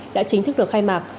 đã chính thức được